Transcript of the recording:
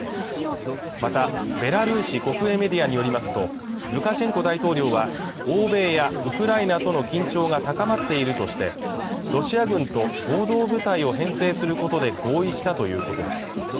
またベラルーシ国営メディアによりますとルカシェンコ大統領は欧米やウクライナとの緊張が高まっているとしてロシア軍と合同部隊を編成することで合意したということです